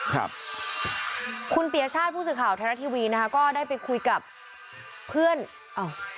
ครับคุณปียชาติผู้สื่อข่าวไทยรัฐทีวีนะคะก็ได้ไปคุยกับเพื่อนอ้าว